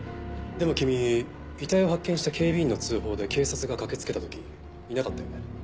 でも君遺体を発見した警備員の通報で警察が駆けつけた時いなかったよね？